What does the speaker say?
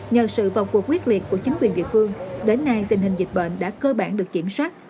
nhờ sự vào cuộc quyết liệt của chính quyền địa phương đến nay tình hình dịch bệnh đã cơ bản được kiểm soát